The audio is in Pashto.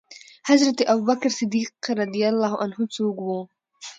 حضرت ابوبکر صديق څوک وو؟